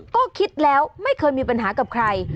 ก็คิดแล้วไม่เคยมีปัญหากับใคร